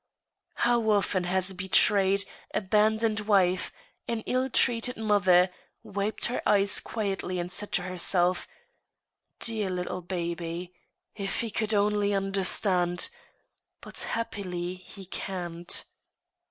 How often has a betrayed, abandoned wife — an ill treated moth er—wiped her eyes quietly and said to herself :" Dear little baby !... if he could only understand !... But happily he can't